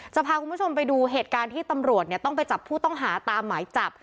จะพาคุณผู้ชมไปดูเหตุการณ์ที่ตำรวจต้องไปจับผู้ต้องหาตามหมายจับ